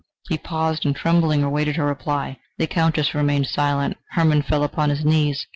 He paused and tremblingly awaited her reply. The Countess remained silent; Hermann fell upon his knees.